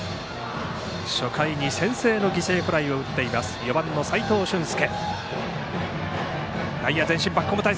初回に先制の犠牲フライを打っている４番の齋藤舜介。